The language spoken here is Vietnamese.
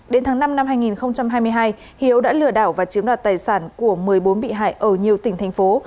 đến tháng năm năm hai nghìn hai mươi hai hiếu đã lừa đảo và chiếm đoạt tài sản của một mươi bốn bị hại ở nhiều tỉnh thành phố